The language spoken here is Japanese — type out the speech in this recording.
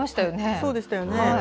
そうでしたよね。